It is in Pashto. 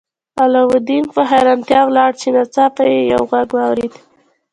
علاوالدین په حیرانتیا ولاړ و چې ناڅاپه یې یو غږ واورید.